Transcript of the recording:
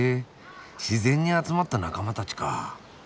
自然に集まった仲間たちか。